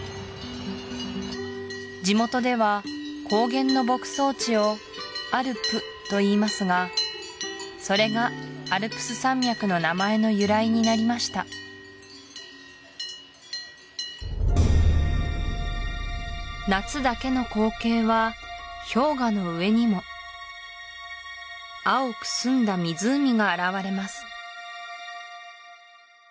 地元では高原の牧草地をアルプといいますがそれがアルプス山脈の名前の由来になりました夏だけの光景は氷河の上にも青く澄んだ湖が現れます